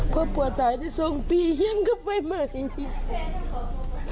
พ่อผัวตายได้สองปียังก็ไปใหม่